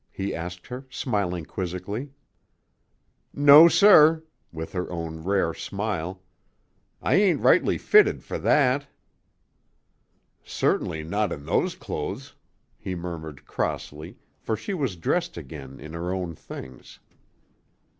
he asked her, smiling quizzically. "No, sir," with her own rare smile; "I ain't rightly fitted for that." "Certainly not in those clothes," he murmured crossly, for she was dressed again in her own things.